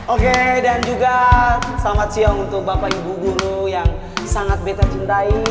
oke dan juga selamat siang untuk bapak ibu guru yang sangat kita cintai